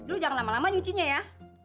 dulu jangan lama lama nyucinya ya